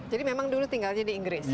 jadi memang dulu tinggalnya di inggris ya